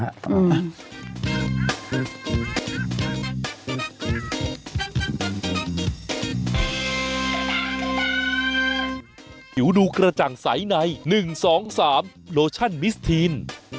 ผิวดูกระจ่างใสใน๑๒๓โลชั่นมิสทีน